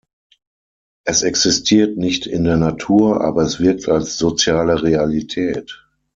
Es existiert nicht in der Natur, aber es wirkt als soziale Realität.